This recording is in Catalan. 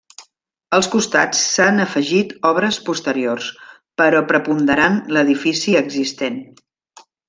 Als costats s'han afegit obres posteriors, però preponderant l'edifici existent.